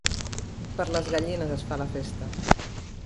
Per les gallines es fa la festa